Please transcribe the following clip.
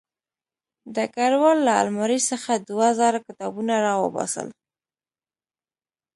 ډګروال له المارۍ څخه دوه زاړه کتابونه راوباسل